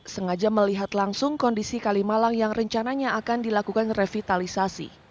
sengaja melihat langsung kondisi kalimalang yang rencananya akan dilakukan revitalisasi